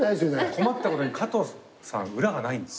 困ったことに加藤さん裏がないんです。